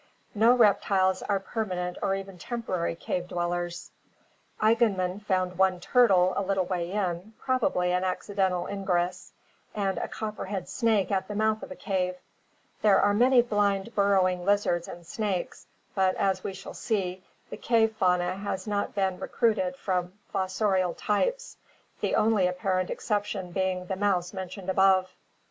No reptiles are permanent or even temporary cave dwellers. Eigenmann found one turtle a little way in, probably an accidental Fig. 92. — Epigean salamander, SpeUrpes longicauda, with eyes and color. (After Eigenmann.) ingress, and a copperhead snake at the mouth of a cave. There are many blind burrowing lizards and snakes, but, as we shall see, the cave fauna has not been recruited from fossorial types, the only apparent exception being the mouse mentioned above.